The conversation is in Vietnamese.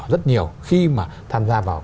rất nhiều khi mà tham gia vào